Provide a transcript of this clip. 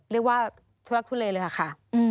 เรียกว่าทุลักษณ์ทุเรเลยค่ะ